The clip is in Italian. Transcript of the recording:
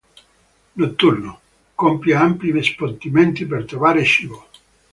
Notturno, compie ampi spostamenti per trovare cibo.